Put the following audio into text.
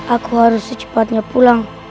aku harus secepatnya pulang